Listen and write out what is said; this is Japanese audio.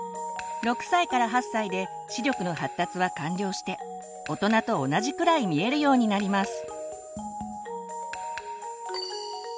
６歳から８歳で視力の発達は完了して大人と同じくらい見えるようになります。